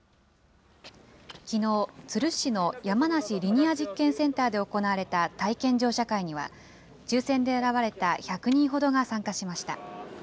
きのう、都留市の山梨リニア実験センターで行われた体験乗車会には、抽せんで選ばれた１００人ほどが参加しました。